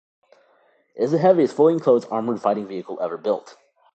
It is the heaviest fully enclosed armoured fighting vehicle ever built.